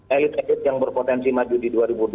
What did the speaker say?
elit elit yang berpotensi maju di dua ribu dua puluh